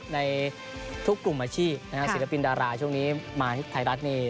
ในทุกกลุ่มอาชีพนะฮะศิลปินดาราช่วงนี้มาที่ไทยรัฐนี่